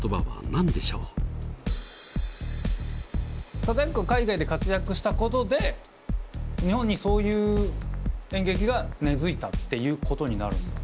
貞奴が海外で活躍したことで日本にそういう演劇が根づいたっていうことになるんですよね。